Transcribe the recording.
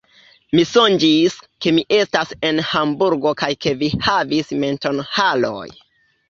Mi sonĝis, ke mi estas en Hamburgo kaj ke vi havis mentonharojn.